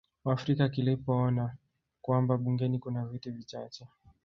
Waafrika kilipoona kwamba bungeni kuna viti vichache